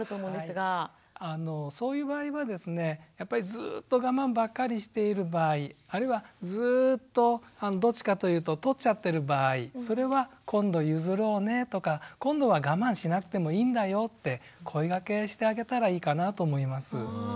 そういう場合はですねやっぱりずっと我慢ばっかりしている場合あるいはずっとどっちかというと取っちゃってる場合それは「今度譲ろうね」とか「今度は我慢しなくてもいいんだよ」って声掛けしてあげたらいいかなと思います。